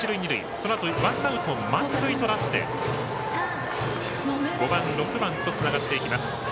そのあとワンアウト満塁となって５番、６番とつながっていきます。